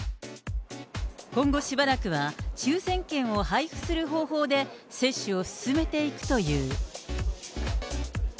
今後しばらくは、抽せん券を配布する方法で、接種を進めていくという。